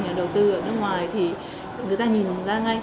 nhà đầu tư ở nước ngoài thì người ta nhìn ra ngay